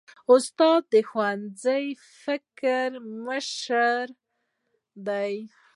استاد د ښوونځي فکري مشر دی.